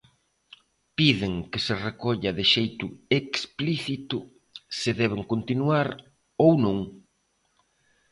Piden que se recolla de xeito explicito se deben continuar ou non.